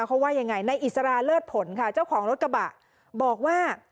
เขาว่ายังไงในอิสราเลิศผลค่ะเจ้าของรถกระบะบอกว่า